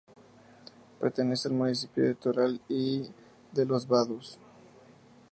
Pertenece al municipio de Toral de los Vados.